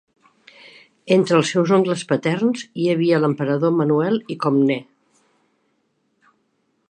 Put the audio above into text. Entre els seus oncles paterns hi havia l'emperador Manuel I Comnè.